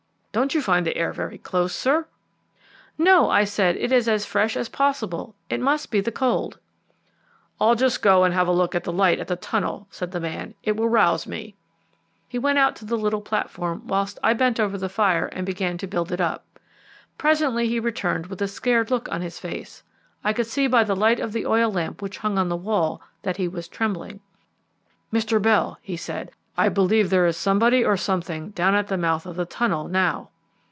"Don't you find the air very close, sir?" "No," I said; "it is as fresh as possible; it must be the cold." "I'll just go and have a look at the light at the tunnel," said the man; "it will rouse me." He went on to the little platform, whilst I bent over the fire and began to build it up. Presently he returned with a scared look on his face. I could see by the light of the oil lamp which hung on the wall that he was trembling. "Mr. Bell," he said, "I believe there is somebody or something down at the mouth of the tunnel now."